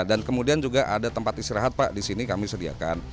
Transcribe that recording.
dan kemudian juga ada tempat istirahat pak di sini kami sediakan